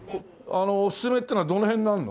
あのおすすめってのはどの辺になるの？